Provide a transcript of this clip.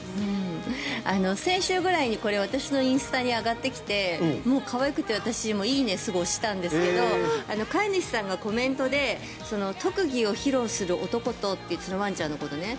先週ぐらいにこれ、私のインスタに上がってきてもう可愛くて「いいね」をすぐ押したんですけど飼い主さんがコメントで特技を披露する男とってワンちゃんのことね。